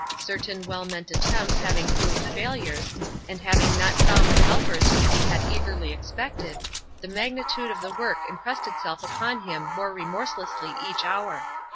Certain well meant attempts having proved failures, and having not found the helpers whom he had eagerly expected, the magnitude of the work impressed itself upon him more remorselessly each hour.